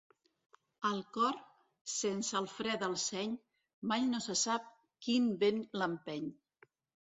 Al cor, sense el fre del seny, mai no se sap quin vent l'empeny.